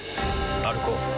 歩こう。